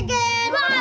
gigi gue ntar patah